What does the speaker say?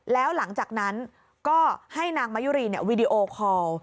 แล้วหลังจากนั้นก็ให้นางมายุรีวีดีโอคอล